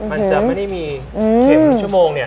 มันจะไม่ได้มีเข็มชั่วโมงเนี่ย